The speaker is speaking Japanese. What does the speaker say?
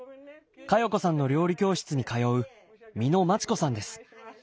加代子さんの料理教室に通う三野待子さんです。